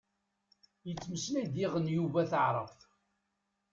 Yettmeslay diɣen Yuba taɛrabt.